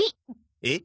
えっ？